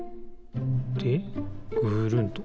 でぐるんと。